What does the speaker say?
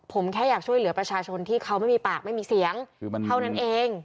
ผมแค่อยากช่วยเหลือประชาชนที่เขาไม่มีปากไม่มีเสียงเท่านั้นเอง